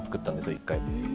１回。